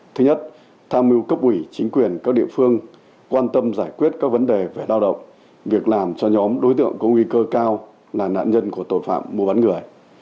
thứ nhất tham mưu cấp ủy chính quyền các địa phương quan tâm giải quyết các vấn đề về lao động việc làm cho nhóm đối tượng có nguy cơ cao là nạn nhân của tội phạm mua bán người